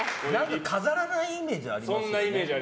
飾らないイメージがありますね。